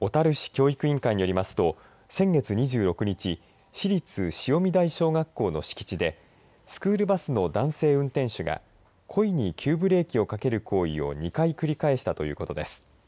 教育委員会によりますと先月２６日市立潮見台小学校の敷地でスクールバスの男性運転手が故意に急ブレーキをかける行為を２回繰り返したということです。